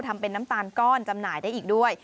ทำเป็นน้ำตาลก้อนจำหน่ายได้อีกด้วย